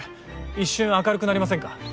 一瞬明るくなりませんか？